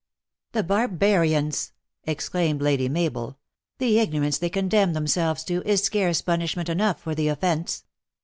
" The barbarians !" exclaimed Lady Mabel. "The ignorance they condemn themselves to, is scarce pun ishment enough for the offence."